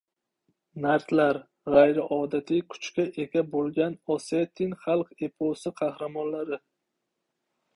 Nartlar — g‘ayriodatiy kuchga ega bo‘lgan osetin xalq eposi qahramonlari